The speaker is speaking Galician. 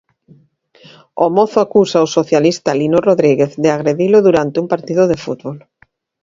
O mozo acusa o socialista Lino Rodríguez de agredilo durante un partido de fútbol.